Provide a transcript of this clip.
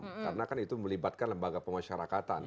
karena kan itu melibatkan lembaga pengasyarakatan